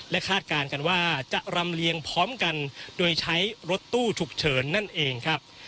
คาดการณ์กันว่าจะรำเลียงพร้อมกันโดยใช้รถตู้ฉุกเฉินนั่นเองครับ